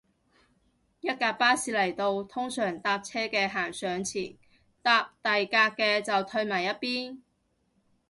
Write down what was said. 一架巴士嚟到，通常搭車嘅行上前，搭第架嘅就褪埋一邊